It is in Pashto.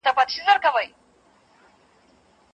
دا چي د استعمار څپې تر اسیا او افغانستان څنګه راورسېدې.